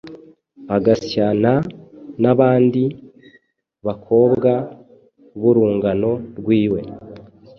Agasyana n’abandi bakobwa b’urungano rwiwe